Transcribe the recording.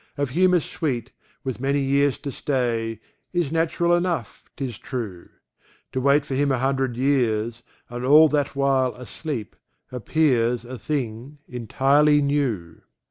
Of humour sweet, with many years to stay, Is natural enough, 'tis true; To wait for him a hundred years, And all that while asleep, appears A thing entirely new.